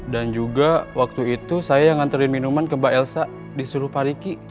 dan juga waktu itu saya yang nganterin minuman ke mbak elsa disuruh pak ricky